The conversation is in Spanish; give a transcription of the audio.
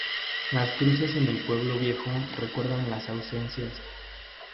Las cruces en el pueblo viejo recuerdan las ausencias.